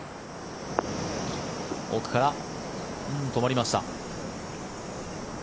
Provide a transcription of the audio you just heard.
奥から、止まりました。